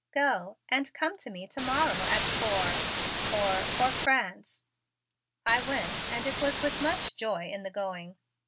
Go; and come to me to morrow at four for for France." I went and it was with much joy in the going.